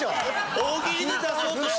大喜利で出そうとしてた。